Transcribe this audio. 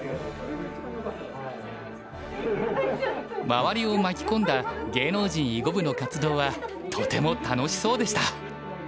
周りを巻き込んだ芸能人囲碁部の活動はとても楽しそうでした。